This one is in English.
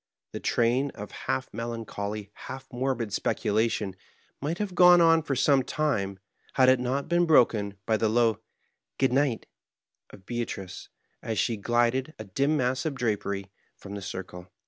The train of half melancholy, half morbid speculation might have gone on for some time, had it not been broken by the low "Good night" of Beatrice^ as she glided, a dim mass of drapery, from the circle.